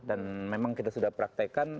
dan memang kita sudah praktekan